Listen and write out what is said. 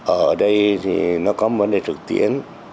ở đây thì nó có vấn đề thực tiến